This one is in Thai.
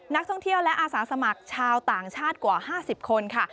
นักท่องเที่ยวและอาสาสมัครชาวต่างชาติกว่า๕๐คนค่ะ